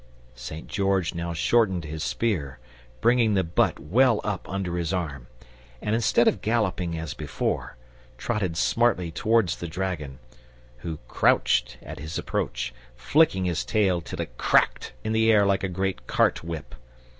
St. George now shortened his spear, bringing the butt well up under his arm; and, instead of galloping as before, trotted smartly towards the dragon, who crouched at his approach, flicking his tail till it cracked in the air like a great cart whip.